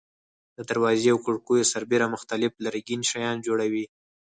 د دروازو او کړکیو سربېره مختلف لرګین شیان جوړوي.